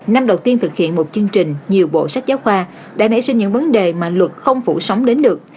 năm đầu tiên thực hiện một chương trình nhiều bộ sách giáo khoa đã nảy sinh những vấn đề mà luật không phủ sóng đến được